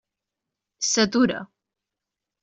S'atura.